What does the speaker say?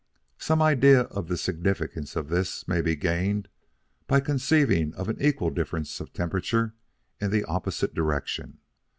Some idea of the significance of this may be gained by conceiving of an equal difference of temperature in the opposite direction.